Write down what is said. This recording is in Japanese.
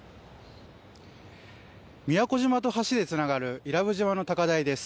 宮古島と橋でつながる伊良部島の高台です。